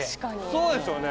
そうですよね。